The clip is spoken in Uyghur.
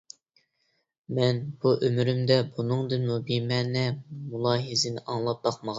-مەن بۇ ئۆمرۈمدە بۇنىڭدىنمۇ بىمەنە مۇلاھىزىنى ئاڭلاپ باقمىغان!